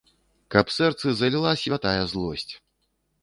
Каб сэрцы заліла святая злосць!